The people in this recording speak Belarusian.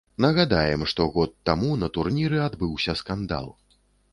Нагадаем, што год таму на турніры адбыўся скандал.